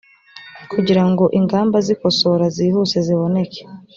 kugirango ingamba zikosora zihuse ziboneke